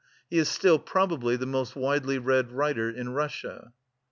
He is still probably the most widely read writer in Russia.